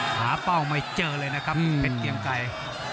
เป้าไม่เจอเลยนะครับเพชรเกียงไกร